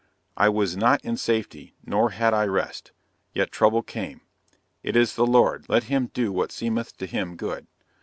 I was not in safety, neither had I rest; yet trouble came. It is the Lord, let him do what seemeth to him good.